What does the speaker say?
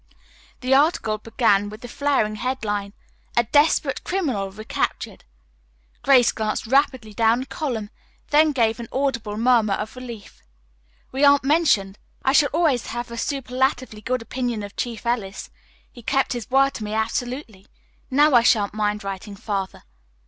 The article began with the flaring headline, "A Desperate Criminal Recaptured." Grace glanced rapidly down the column, then gave an audible murmur of relief. "We aren't mentioned. I shall always have a superlatively good opinion of Chief Ellis. He kept his word to me absolutely. Now I shan't mind writing Father."